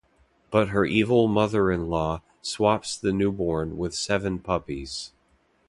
But her evil mother-in-law swaps the newborn with seven puppies.